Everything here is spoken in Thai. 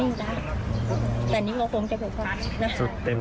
แต่นี่ก็คงจะหลวงเขา